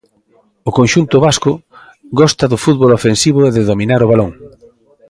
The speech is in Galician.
O conxunto vasco gosta do fútbol ofensivo e de dominar o balón.